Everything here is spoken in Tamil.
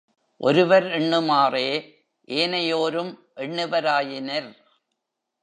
ஒருவர் எண்ணுமாறே ஏனையோரும் எண்ணுவராயினர்.